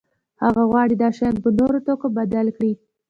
هغه غواړي دا شیان په نورو توکو بدل کړي.